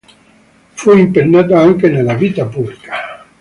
Fu impegnato anche nella vita pubblica.